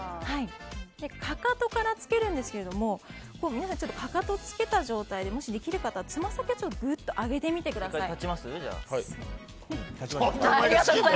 かかとからつけるんですが皆さん、かかとをつけた状態でできる方はつま先をぐっと上げてみてください。